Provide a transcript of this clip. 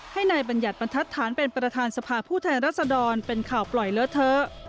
ให้นายบัญญัติบรรทัศน์เป็นประธานสภาผู้แทนรัศดรเป็นข่าวปล่อยเลอะเทอะ